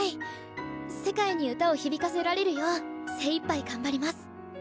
世界に歌を響かせられるよう精いっぱい頑張ります。